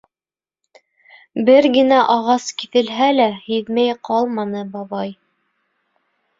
Бер генә ағас киҫелһә лә, һиҙмәй ҡалманы бабай.